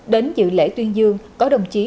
đến dự lễ tuyên dương có đồng chí